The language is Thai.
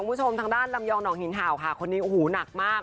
คุณผู้ชมทางด้านลำยองหนองหินเห่าค่ะคนนี้โอ้โหหนักมาก